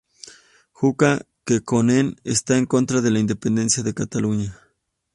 Jukka Kekkonen está en contra de la independencia de Cataluña.